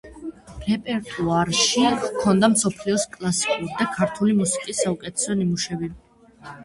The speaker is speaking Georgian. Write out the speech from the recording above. რეპერტუარში ჰქონდა მსოფლიოს კლასიკური და ქართული მუსიკის საუკეთესო ნიმუშები.